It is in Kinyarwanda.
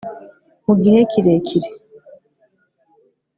mu gihe kirekire